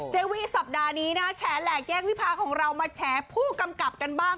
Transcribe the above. วีสัปดาห์นี้นะแฉแหลกแยกวิพาของเรามาแฉผู้กำกับกันบ้าง